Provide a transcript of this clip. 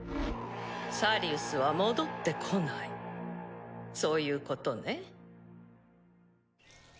サリウスは戻ってこないそういうことね？